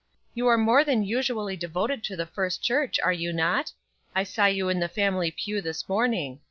"You are more than usually devoted to the First Church, are you not? I saw you in the family pew this morning.